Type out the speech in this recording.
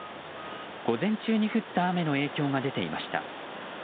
午前中に降った雨の影響が出ていました。